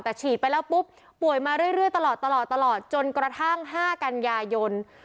แต่ฉีดไปแล้วปุ๊บป่วยมาเรื่อยตลอดจนกระทั่ง๕กันยายน